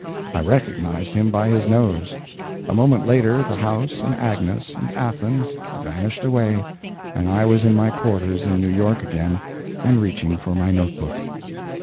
I recognized him by his nose. A moment later the house and Agnes and Athens vanished away, and I was in my quarters in New York again and reaching for my note book.